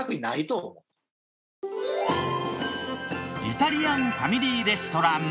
イタリアンファミリーレストラン。